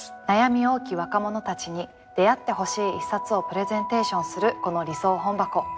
悩み多き若者たちに出会ってほしい一冊をプレゼンテーションするこの「理想本箱」。